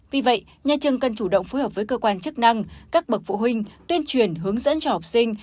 vì vậy nhà trường cần chủ động phối hợp với cơ quan chức năng các bậc phụ huynh tuyên truyền hướng dẫn cho học sinh